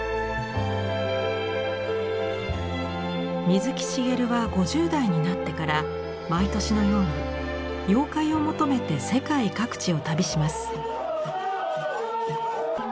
水木しげるは５０代になってから毎年のように妖怪を求めて世界各地を旅します。